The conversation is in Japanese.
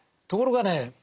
ところがね